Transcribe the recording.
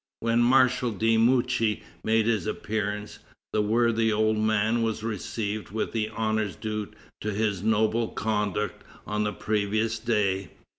When Marshal de Mouchy made his appearance, the worthy old man was received with the honors due to his noble conduct on the previous day.